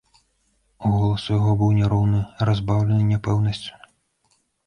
Голас у яго быў няроўны, разбаўлены няпэўнасцю.